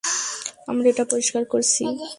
আমরা এটা পরিষ্কার করছি।